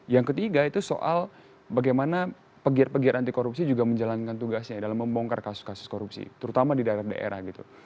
yang ketiga itu soal bagaimana pegir pegiat anti korupsi juga menjalankan tugasnya dalam membongkar kasus kasus korupsi terutama di daerah daerah gitu